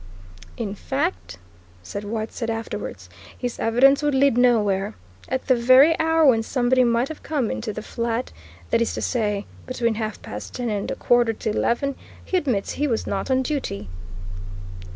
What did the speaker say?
"In fact," said Whiteside afterwards, "his evidence would lead nowhere. At the very hour when somebody might have come into the flat that is to say, between half past ten and a quarter to eleven he admits he was not on duty."